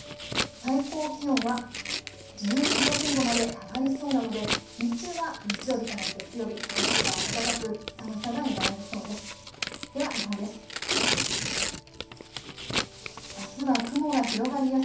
最高気温は１２度前後まで上がりそうなので日中は日曜日から月曜日、日ざしが暖かく寒さが和らぎそうです。